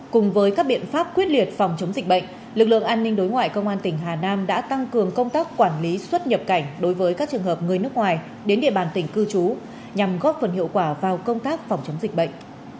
cùng với các biện pháp quyết liệt phòng chống dịch bệnh lực lượng an ninh đối ngoại công an tỉnh hà nam đã tăng cường công tác quản lý xuất nhập cảnh đối với các trường hợp người nước ngoài đến địa bàn tỉnh cư trú nhằm góp phần hiệu quả vào công tác phòng chống dịch bệnh